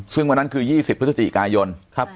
ซึ่งวันนั้นคือ๒๐พฤศจิกายน